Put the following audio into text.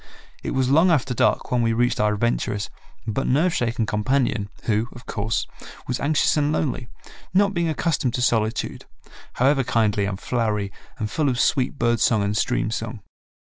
It was long after dark when we reached our adventurous, but nerve shaken companion who, of course, was anxious and lonely, not being accustomed to solitude, however kindly and flowery and full of sweet bird song and stream song.